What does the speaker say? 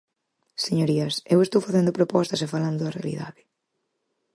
Señorías, eu estou facendo propostas e falando da realidade.